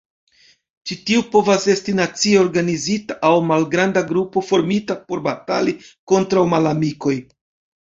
Ĉi tio povas esti nacie organizita aŭ malgranda grupo formita por batali kontraŭ malamikoj.